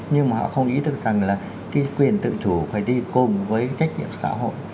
nhưng mà họ không ý được rằng là cái quyền tự chủ phải đi cùng với trách nhiệm xã hội